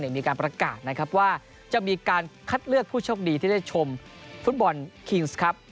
มีการประกาศนะครับว่าจะมีการคัดเลือกผู้โชคดีที่ได้ชมฟุตบอลคิงส์ครับ